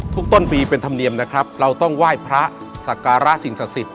ต้นปีเป็นธรรมเนียมนะครับเราต้องไหว้พระสักการะสิ่งศักดิ์สิทธิ